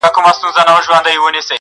روح مي نیم بسمل نصیب ته ولیکم!